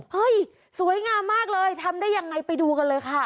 สวยงามมากเลยทำได้ยังไงไปดูกันเลยค่ะ